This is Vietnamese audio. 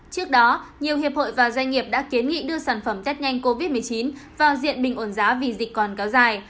trước đó nhiều hiệp hội và doanh nghiệp đã kiến nghị đưa sản phẩm test nhanh covid một mươi chín vào diện bình ổn giá vì dịch còn kéo dài